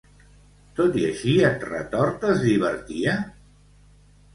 Tot i així en Retort es divertia?